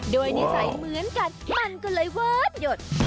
โดยนิสัยเหมือนกันมันก็เลยเวิร์ดหยด